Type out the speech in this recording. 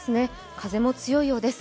風も強いようです。